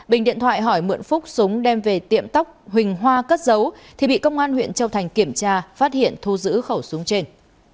bình điện thoại hỏi mượn phúc súng đem về tiệm tóc huỳnh hoa cất giấu thì bị công an huyện châu thành kiểm tra phát hiện thu giữ khẩu súng trên